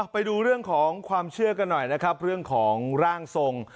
ไปดูเรื่องของความเชื่อกันหน่อยนะครับเรื่องของร่างทรง